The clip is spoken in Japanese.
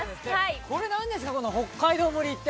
これ何ですか北海道盛って。